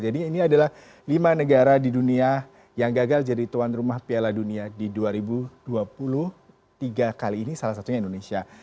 jadi ini adalah lima negara di dunia yang gagal jadi tuan rumah piala dunia di dua ribu dua puluh tiga kali ini salah satunya indonesia